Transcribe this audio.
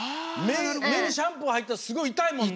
めにシャンプーはいったらすごいいたいもんね。